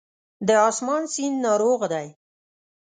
د آسمان سیند ناروغ دی